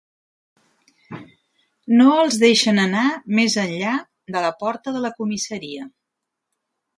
No els deixen anar més enllà de la porta de la comissaria.